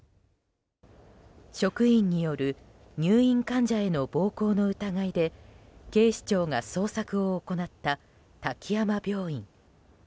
職員による入院患者への暴行の疑いで警視庁が捜索を行った滝山病院。